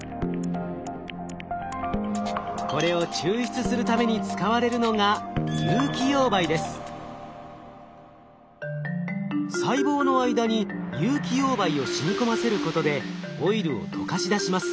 これを抽出するために使われるのが細胞の間に有機溶媒をしみ込ませることでオイルを溶かし出します。